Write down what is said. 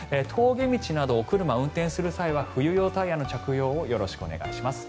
峠道など、お車運転する際は冬用タイヤの着用をよろしくお願いします。